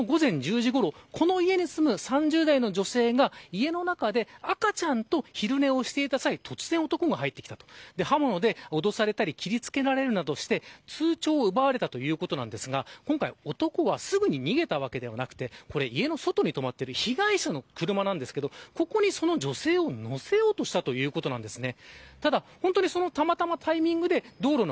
今回、被害者が助けを求めた男性から直接話を聞くことができたんですが事件は昨日の午前１０時ごろこの家に住む３０代の女性が家の中で赤ちゃんと昼寝をしていた際突然男が入ってきたと刃物で脅されたり切りつけられるなどして通帳を奪われたということなんですが今回、男はすぐに逃げたわけではなくてこれ、家の外に止まっている被害者の車なんですけどここに、その女性を乗せようとしたということなんですね。